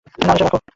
নাও এটা রাখো।